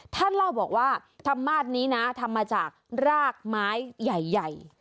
ท่านเล่าบอกว่าธรรมาศนี้นะทำมาจากรากไม้ใหญ่